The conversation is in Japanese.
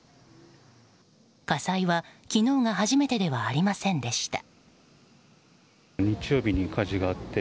火災は昨日が初めてではありませんでした。